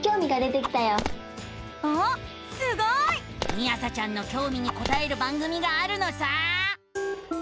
みあさちゃんのきょうみにこたえる番組があるのさ！